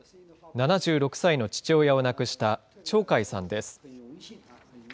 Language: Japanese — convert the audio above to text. ７６歳の父親を亡くした張海さんです。